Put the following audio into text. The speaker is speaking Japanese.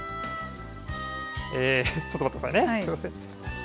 ちょっと待ってくださいね、すみません。